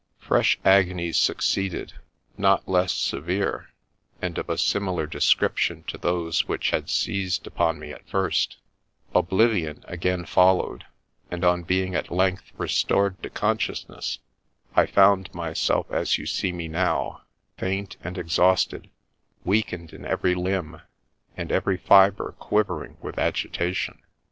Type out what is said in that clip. Fresh agonies succeeded, not less severe, and of a similar description to those which had seized upon me at first ; oblivion again followed, and on being at length restored to consciousness, I found myself as you see me now, faint and exhausted, weakened in every limb, and every fibre quivering with agitation.